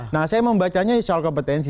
nah saya membacanya soal kompetensi